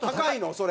それ。